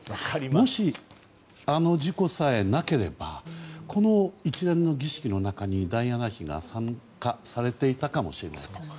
もし、あの事故さえなければこの一連の儀式の中にダイアナ妃が参加されていたかもしれません。